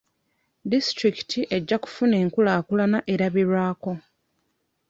Disitulikiti ejja kufuna enkulaakulana erabirwako.